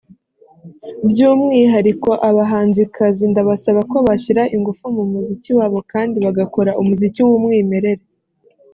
By’umwihariko abahanzikazi ndabasaba ko bashyira ingufu mu muziki wabo kandi bagakora umuziki w’umwimerere